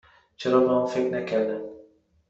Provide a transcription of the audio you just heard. چرا به آن فکر نکردم؟